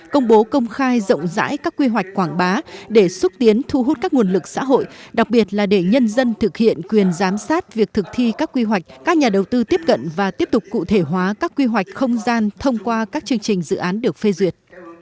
công bố công khai rộng rãi các quy hoạch quảng bá để xúc tiến thu hút các nguồn lực xã hội đặc biệt là để nhân dân thực hiện quyền giám sát việc thực thi các quy hoạch các nhà đầu tư tiếp cận và tiếp tục cụ thể hóa các quy hoạch không gian thông qua các chương trình dự án được phê duyệt